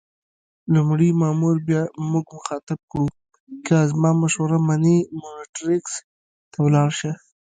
لومړي مامور بیا موږ مخاطب کړو: که زما مشوره منې مونټریکس ته ولاړ شه.